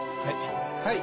はい。